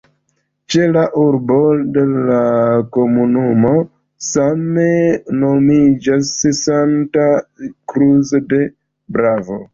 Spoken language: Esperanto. La ĉefurbo de la komunumo same nomiĝas "Santa Cruz de Bravo".